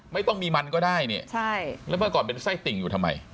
ไม่ต้องมีมันก็ได้เนี่ยใช่แล้วเมื่อก่อนเป็นไส้ติ่งอยู่ทำไม